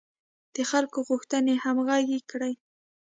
د خلکو غوښتنې همغږې کړي.